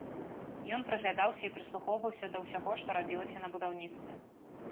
Ён прыглядаўся і прыслухоўваўся да ўсяго, што рабілася на будаўніцтве.